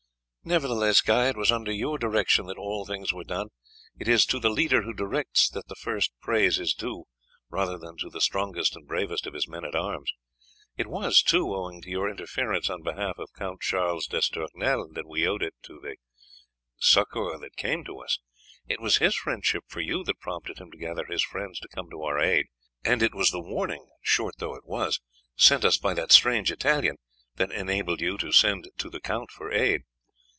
"Nevertheless, Guy, it was under your direction that all things were done. It is to the leader who directs that the first praise is due rather than to the strongest and bravest of his men at arms. It was, too, owing to your interference on behalf of Count Charles d'Estournel that we owe it that succour came to us; it was his friendship for you that prompted him to gather his friends to come to our aid; and it was the warning, short though it was, sent us by that strange Italian that enabled you to send to the count for aid.